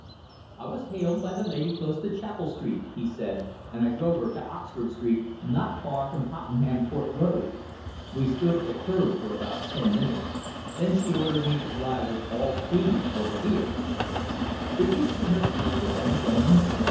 "I was hailed by the lady close to Chapel Street," he said, "and I drove 'er to Oxford Street, not far from Tottenham Court Road. We stood at the kerb for about ten minutes. Then she ordered me to drive with all speed over 'ere." "Did you see her speak with any gentleman?"